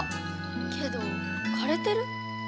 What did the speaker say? けどかれてる？